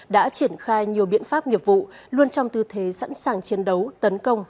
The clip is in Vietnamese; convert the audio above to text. đã triển khai nhiều biện pháp nghiệp vụ luôn trong tư thế sẵn sàng chiến đấu tấn công